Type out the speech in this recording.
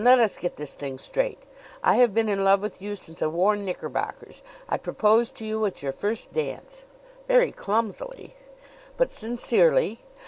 Let us get this thing straight: I have been in love with you since I wore knickerbockers. I proposed to you at your first dance " "Very clumsily." "But sincerely.